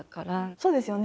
そうですよね。